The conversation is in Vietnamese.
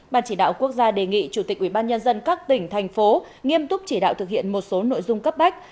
ban chỉ đạo quốc gia đề nghị chủ tịch ubnd các tỉnh thành phố nghiêm túc chỉ đạo thực hiện một số nội dung cấp bách